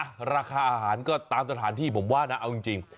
ราคาอาหารก็ตามสถานที่ผมว่านะเอาจริง